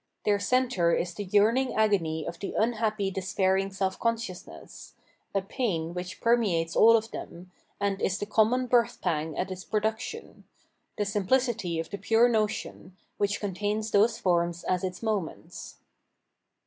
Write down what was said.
Their centre is the yearn ing agony of the unhappy despairing self consciousness, a pain which permeates aU of them, and is the com mon birthpang at its production, — ^the simphcity of the pure notion, which contains those forms as its moments.